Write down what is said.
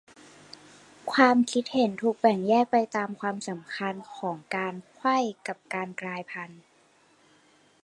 ความคิดเห็นถูกแบ่งแยกไปตามความสำคัญของการไขว้กับการกลายพันธุ์